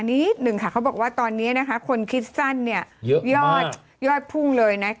เพราะว่าตอนนี้คนคิดสั้นยอดพุ่งเลยนะ